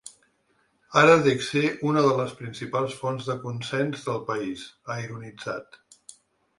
Ara dec ser una de les principals fonts de consens del país, ha ironitzat.